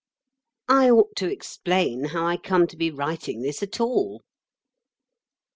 I ought to explain how I come to be writing this at all.